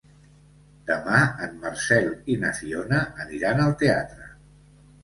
Demà en Marcel i na Fiona aniran al teatre.